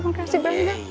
mak kasih banyak